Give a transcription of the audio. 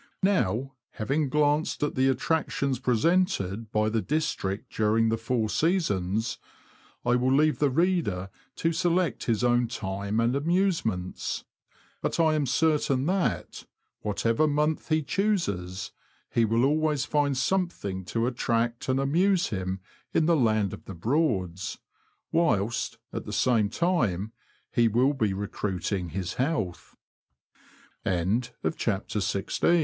Now, having glanced at the attractions presented by the district during the four seasons, I will leave the reader to select his own time and amusements ; but I am certain that, whatever month he chooses, lie will always find something to attract and amuse him in the Land of the Broads, whilst, at the same time, he will be re